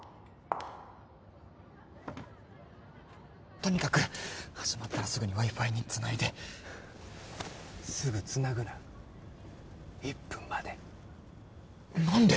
とにかく始まったらすぐにＷｉ−Ｆｉにつないですぐつなぐな１分待て何で？